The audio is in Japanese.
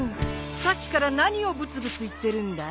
さっきから何をぶつぶつ言ってるんだい？